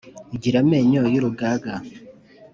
Igira amenyo y'urugaga,